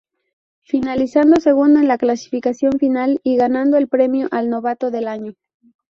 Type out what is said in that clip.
Finalizando segundo en la clasificación final y ganando el premio al novato del año.